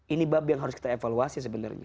ini bab yang harus kita evaluasi sebenarnya